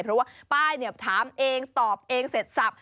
เพราะว่าป้ายเนี่ยถามเองตอบเองเสร็จสับ